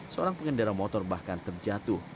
seorang pengendara motor bahkan terjatuh